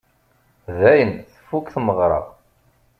Dayen, tfukk tmeɣra.